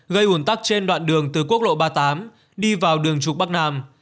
gây ủn tắc trên đoạn đường từ quốc lộ ba mươi tám đi vào đường trục bắc nam